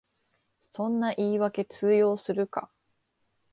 そんな言いわけ通用するか